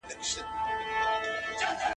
• خداى يو مالگي تروې دي.